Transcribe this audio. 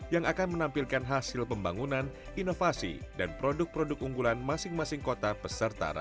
yang akan menampilkan hasil pembangunan inovasi dan produk produk unggulan masing masing kota peserta